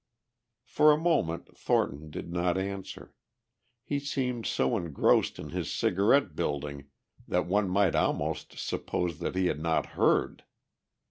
For a moment Thornton did not answer. He seemed so engrossed in his cigarette building that one might almost suppose that he had not heard.